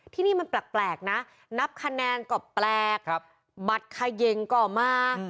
ที่นี่มันแปลกนะนับคะแนนก็แปลกบัตรเขย่งก็มา